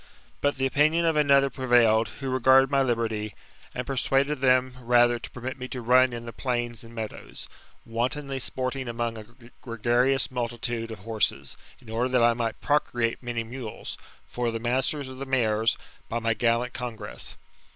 But the opinion of another prevailed, who regarded my liberty, and persuaded them rather to permit me to run in the plains and meadows, wantonly sporting among a gregarious multitude of horses, in order that I might procreate many mules, for the masters of the mare$, by my gallant congress.